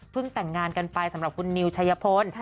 แต่งงานกันไปสำหรับคุณนิวชัยพล